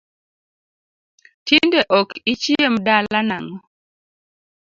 Tinde ok ichiem dala nang'o